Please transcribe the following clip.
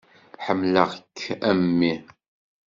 Ḥemmleɣ-k am mmi.